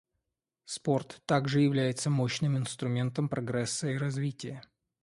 Спорт также является мощным инструментом прогресса и развития.